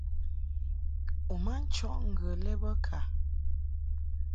U ma nchɔʼ ŋgə lɛ bə ka ?